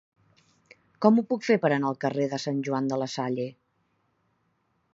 Com ho puc fer per anar al carrer de Sant Joan de la Salle?